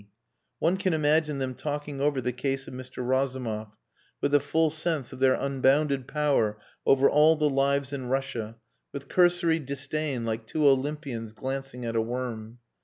One can imagine them talking over the case of Mr. Razumov, with the full sense of their unbounded power over all the lives in Russia, with cursory disdain, like two Olympians glancing at a worm.